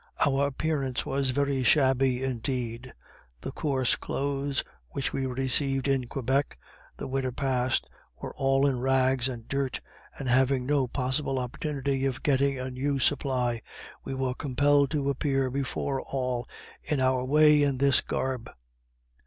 Our appearance was very shabby indeed the coarse clothes which we received in Quebec, the winter past, were all in rags and dirt, and having no possible opportunity of getting a new supply, we were compelled to appear before all in our way in this garb.